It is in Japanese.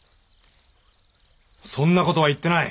そんな事は言ってない。